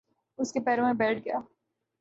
اس کے پیروں میں بیٹھ گیا۔